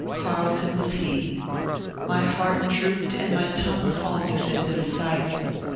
Carlton was he. My heart drooped and my tongue faltered at this sight.